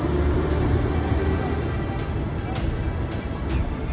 สวัสดีครับคุณผู้ชาย